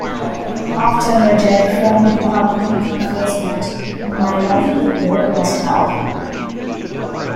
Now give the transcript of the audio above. After her death, Formby publicly confessed that "My life with Beryl was hell".